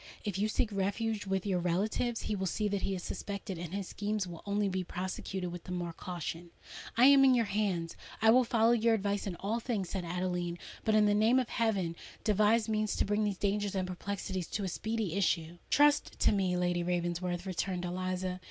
If you seek refuge with your relatives, he will see that he is suspected; and his schemes will only be prosecuted with the more caution." "I am in your hands—I will follow your advice in all things," said Adeline: "but, in the name of heaven! devise means to bring these dangers and perplexities to a speedy issue." "Trust to me, Lady Ravensworth," returned Eliza.